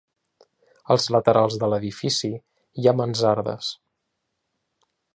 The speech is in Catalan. Als laterals de l'edifici hi ha mansardes.